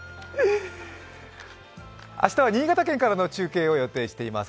明日は新潟県からの中継を予定しています。